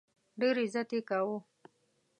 ډېر عزت کاوه.